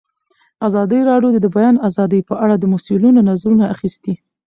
ازادي راډیو د د بیان آزادي په اړه د مسؤلینو نظرونه اخیستي.